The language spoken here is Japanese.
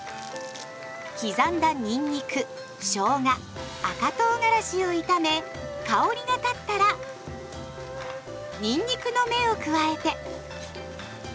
刻んだにんにくしょうが赤とうがらしを炒め香りが立ったらにんにくの芽を加えて。